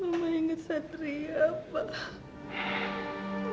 mama inget satria pak